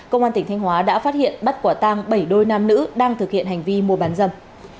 công an tỉnh thanh hóa đã phát hiện bắt quả tang bảy đôi nam nữ đang thực hiện hành vi mua bán dâm